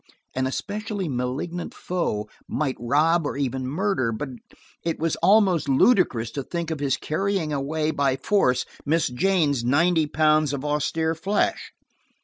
An especially malignant foe might rob, or even murder, but it was almost ludicrous to think of his carrying away by force Miss Jane's ninety pounds of austere flesh.